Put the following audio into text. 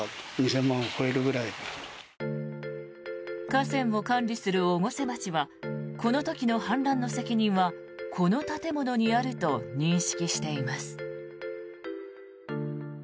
河川を管理する越生町はこの時の氾濫の責任はこの建物にあると認識しています。